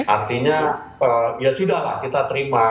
artinya ya sudah lah kita terima